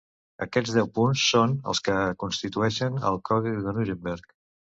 Aquests deu punts són els que constituïxen el Codi de Nuremberg.